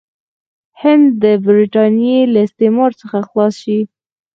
هند د برټانیې له استعمار څخه خلاص شي.